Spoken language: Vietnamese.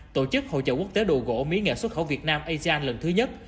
tổ chức hội trợ quốc tế đồ gỗ mỹ nghệ xuất khẩu việt nam asean lần thứ nhất